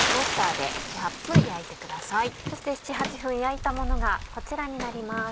そして７８分焼いたものがこちらになります。